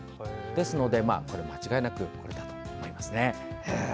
ですので、間違いなくこれだと思います。